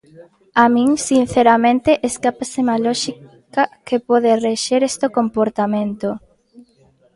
A min, sinceramente, escápaseme a lóxica que pode rexer este comportamento.